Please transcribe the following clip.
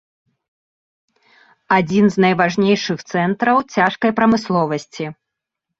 Адзін з найважнейшых цэнтраў цяжкай прамысловасці.